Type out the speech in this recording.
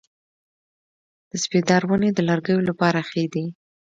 د سپیدار ونې د لرګیو لپاره ښې دي؟